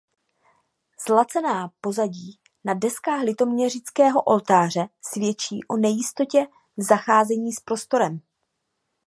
Zlacené pozadí na deskách "Litoměřického oltáře" svědčí o nejistotě v zacházení s prostorem.